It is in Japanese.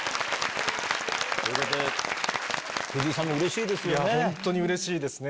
藤井さんもうれしいですよね。